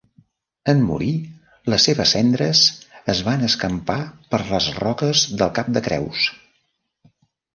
En morir les seves cendres es van escampar per les roques del cap de Creus.